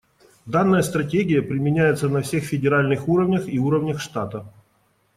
Данная стратегия применяется на всех федеральных уровнях и уровнях штата.